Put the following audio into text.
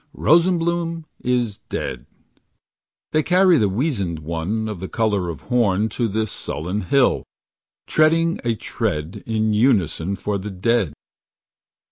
Rosenbloom is dead. They carry the wizened one Of the color of horn To the sullen hill. Treading a tread In unison for the dead.